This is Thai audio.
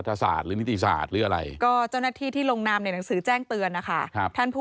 ทำหนังสือชี้แจงแล้ว